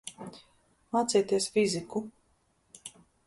Mācieties fiziku.